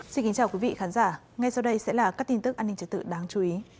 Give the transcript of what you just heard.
xin kính chào quý vị khán giả ngay sau đây sẽ là các tin tức an ninh trật tự đáng chú ý